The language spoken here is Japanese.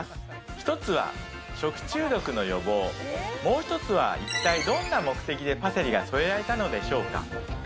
一つは食中毒の予防、もう一つは一体どんな目的で、パセリが添えられたのでしょうか？